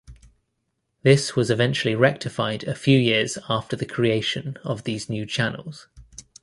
This was eventually rectified a few years after the creation of these new channels.